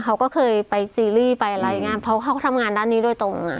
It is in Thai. เขาก็เคยไปซีรีส์ไปอะไรอย่างเงี้เพราะเขาทำงานด้านนี้โดยตรงอ่ะ